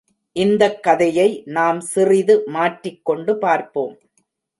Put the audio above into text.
இந்தக் கதையை நாம் சிறிது மாற்றிக்கொண்டு பார்ப்போம்.